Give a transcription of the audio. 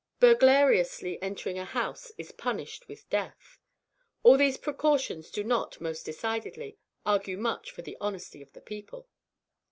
Burglariously entering a house is punished with death. All these precautions do not, most decidedly, argue much for the honesty of the people.